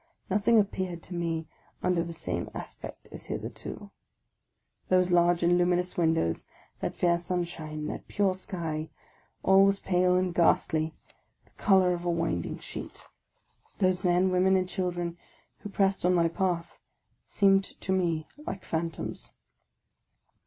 Nothing appeared to me under the same as pect as hitherto. Those large and luminous windows, that fair sunshine, that pure sky, — all was pale and ghastly, the colour of a winding sheet. Those men, women, and children who pressed on my path seemed to me like phantoms.